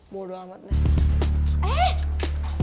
bodo amat deh